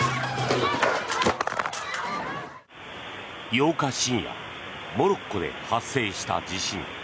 ８日深夜モロッコで発生した地震。